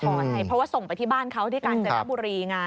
เพราะว่าส่งไปที่บ้านเขาที่กาญจนบุรีไง